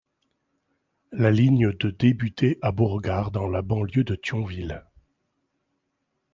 La ligne de débutait à Beauregard, dans la banlieue de Thionville.